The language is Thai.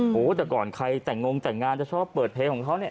โอ้โหแต่ก่อนใครแต่งงแต่งงานจะชอบเปิดเพลงของเขาเนี่ย